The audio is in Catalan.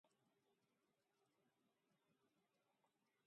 A Sabadell senyors, a Terrassa treballadors.